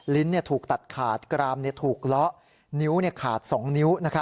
ถูกตัดขาดกรามถูกเลาะนิ้วขาด๒นิ้ว